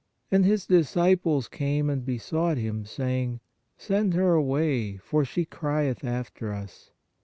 And His disciples came and besought Him, saying: Send her away, for she crieth after us.